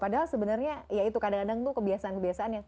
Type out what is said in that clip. padahal sebenernya ya itu kadang kadang tuh kebiasaan kebiasaannya